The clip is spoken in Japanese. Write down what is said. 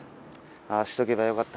ああしとけばよかった